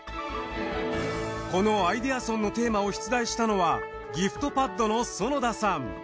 このアイデアソンのテーマを出題したのはギフトパッドの園田さん。